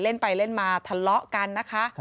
เล่นไปเล่นมาทะเลาะกันนะคะ